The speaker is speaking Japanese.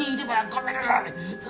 ごめんなさい！